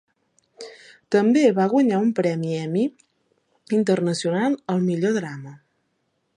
També va guanyar un premi Emmy Internacional al millor drama.